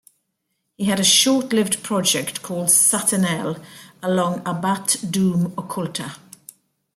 He had a short lived project called Satanel, along Abbath Doom Occulta.